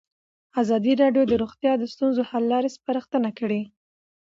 ازادي راډیو د روغتیا د ستونزو حل لارې سپارښتنې کړي.